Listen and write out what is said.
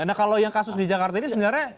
nah kalau yang kasus di jakarta ini sebenarnya